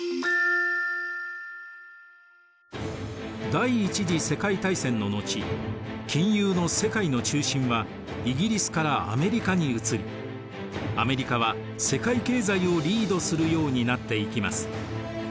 第一次世界大戦の後金融の世界の中心はイギリスからアメリカに移りアメリカは世界経済をリードするようになっていきます。